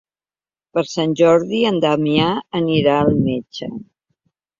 Per Sant Jordi en Damià anirà al metge.